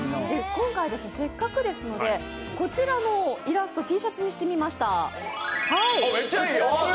今回、せっかくですので、こちらのイラストＴシャツにしてみました。